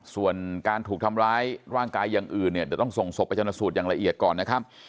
ส่วนการถูกทำร้ายร่างกายอย่างอื่นเนี่ยเดี๋ยวต้องส่งศพไปชนสูตรอย่างละเอียดก่อนนะครับ